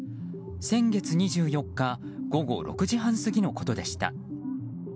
先月２４日午後６時半過ぎのことでした。